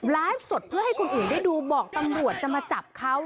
ไลฟ์สดเพื่อให้คนอื่นได้ดูบอกตำรวจจะมาจับเขา